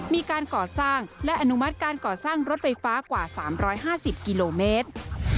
มีการก่อสร้างและอนุมัติการก่อสร้างรถไฟฟ้ากว่า๓๕๐กิโลเมตร